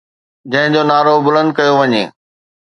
جنهن جو نعرو بلند ڪيو وڃي